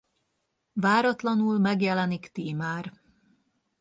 Váratlanul megjelenik Tímár.